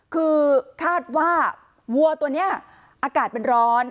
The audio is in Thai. คือคาดว่าวัวตัวนี้อากาศมันร้อน